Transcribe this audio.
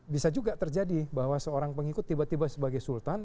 bisa juga terjadi bahwa seorang pengikut tiba tiba sebagai sultan